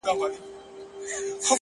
• څه مسافره یمه خير دی ته مي ياد يې خو؛